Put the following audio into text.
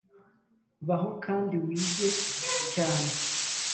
baho kandi wige cysne